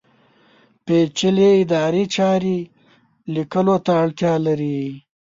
پېچلې ادارې چارې لیکلو ته اړتیا لرله.